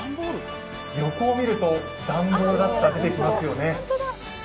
横を見ると段ボールらしさ、出てきますよね。